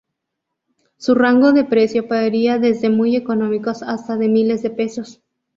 Su rango de precio varía desde muy económicos hasta de miles de pesos.